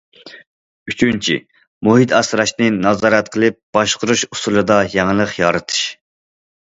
ئۈچىنچى، مۇھىت ئاسراشنى نازارەت قىلىپ باشقۇرۇش ئۇسۇلىدا يېڭىلىق يارىتىش.